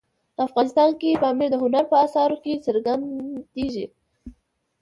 افغانستان کې پامیر د هنر په اثارو کې څرګندېږي.